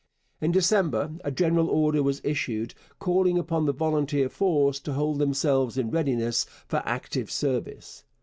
In December a general order was issued calling upon the volunteer force to hold themselves in readiness for active service.